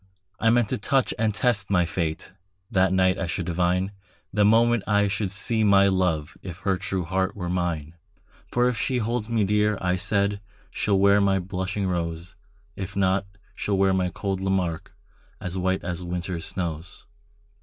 I meant to touch and test my fate; That night I should divine, The moment I should see my love, If her true heart were mine. For if she holds me dear, I said, She'll wear my blushing rose; If not, she'll wear my cold Lamarque, As white as winter's snows.